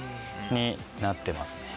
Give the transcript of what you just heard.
になってます。